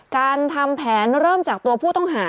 การทำแผนเริ่มจากตัวผู้ต้องหา